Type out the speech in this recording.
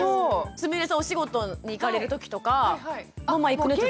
すみれさんお仕事に行かれるときとかママ行くねってとき。